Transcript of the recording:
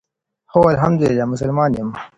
هو ألحمد لله مسلمان يم،